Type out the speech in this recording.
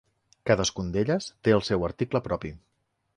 Cadascun d'elles té el seu article propi.